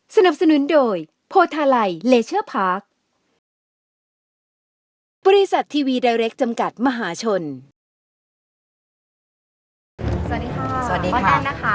สวัสดีค่ะสวัสดีค่ะพ่อแดนนะคะหมายเล่นสี่ค่ะอ่าฮะ